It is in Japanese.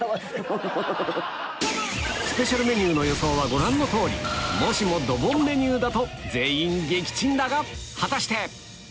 スペシャルメニューの予想はご覧の通りもしもドボンメニューだと全員撃沈だが果たして？